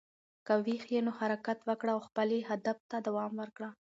که ویښ یې، نو حرکت وکړه او خپلې هدف ته دوام ورکړه.